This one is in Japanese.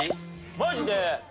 マジで？